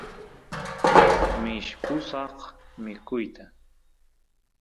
mishpusaq mikuyta